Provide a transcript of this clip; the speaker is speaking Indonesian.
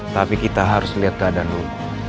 tapi kita harus lihat keadaan dulu